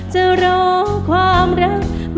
จะรอความรักที่คงไม่พันไหว